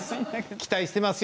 期待していますよ